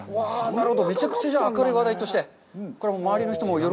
なるほど、めちゃくちゃじゃあ明るい話題として、周りの人も。